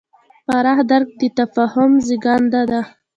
پراخ درک د تفاهم زېږنده دی.